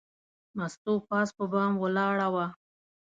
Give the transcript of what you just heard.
مستو پاس په بام ولاړه وه.